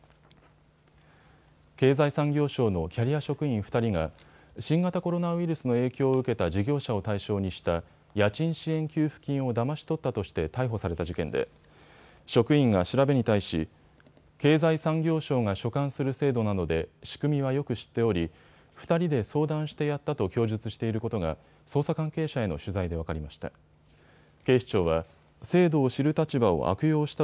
経済産業省のキャリア職員２人が新型コロナウイルスの影響を受けた事業者を対象にした家賃支援給付金をだまし取ったとして逮捕された事件で職員が調べに対し、経済産業省が所管する制度なので仕組みはよく知っており２人で相談してやったと供述していることが捜査関係者への取材で分かりました。